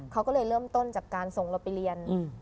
เขาก็เลยเริ่มต้นจากการส่งเราไปเรียน